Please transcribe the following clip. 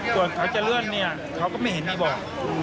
กว่าเขาจะเลื่อนเขาก็ไม่เห็นให้บอก